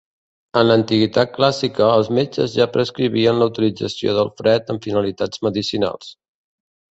En l'antiguitat clàssica, els metges ja prescrivien la utilització del fred amb finalitats medicinals.